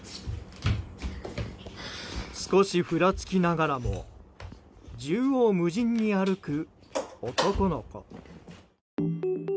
少しふらつきながらも縦横無尽に歩く男の子。